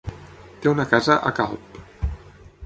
Té una casa a Calp.